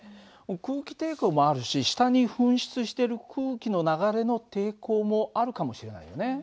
空気抵抗もあるし下に噴出してる空気の流れの抵抗もあるかもしれないよね。